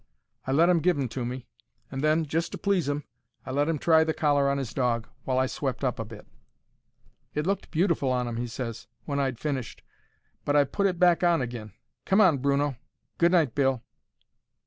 I let 'im give 'em to me, and then, just to please 'im, I let 'im try the collar on 'is dog, while I swept up a bit. "It looked beautiful on 'im," he ses, when I'd finished; "but I've put it back agin. Come on, Bruno. Good night, Bill."